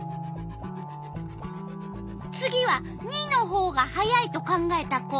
次は②のほうが速いと考えた子。